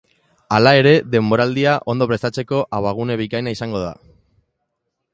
Hala ere, denboraldia ondo prestatzeko abagune bikaina izango da.